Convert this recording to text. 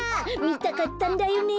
みたかったんだよね。